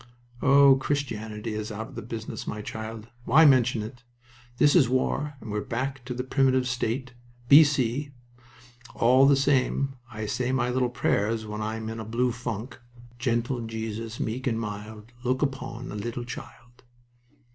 "Oh, Christianity is out of business, my child. Why mention it? This is war, and we're back to the primitive state B.C. All the same, I say my little prayers when I'm in a blue funk. "Gentle Jesus, meek and mild, Look upon a little child."